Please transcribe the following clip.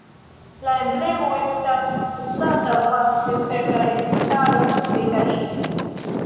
La emblemo estas uzata vaste per la registaro de Italio.